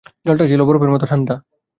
জলটা ছিল বরফের মত ঠাণ্ডা।